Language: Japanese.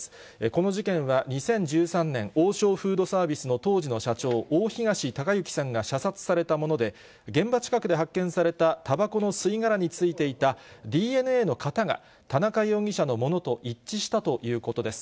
この事件は２０１３年、王将フードサービスの当時の社長、大東隆行さんが射殺されたもので、現場近くで発見されたたばこの吸い殻についていたＤＮＡの型が、田中容疑者のものと一致したということです。